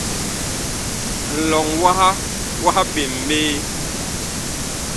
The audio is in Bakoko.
Ŋlɔŋ waha wah ɓem ɓe.